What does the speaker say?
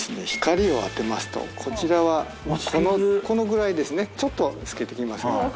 光を当てますと、こちらは、このぐらいですね、ちょっと透けてきますけど。